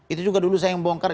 itu juga dulu saya yang bongkar